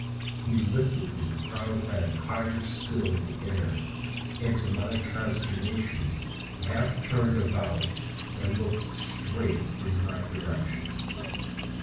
He lifted his proud head higher still in the air, and to my consternation half turned about and looked straight in my direction.